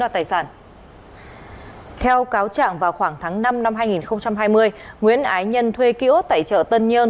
theo cáo trạng vào khoảng tháng năm năm hai nghìn hai mươi nguyễn ái nhân thuê ký ố tẩy trợ tân nhơn